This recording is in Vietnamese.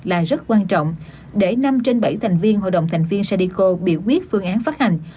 là rất quan trọng để năm trên bảy thành viên hội đồng thành viên sadeco biểu quyết phương án phát hành